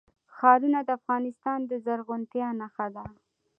ښارونه د افغانستان د زرغونتیا نښه ده.